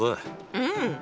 うん。